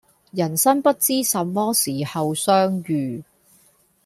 人生不知什麼時候相遇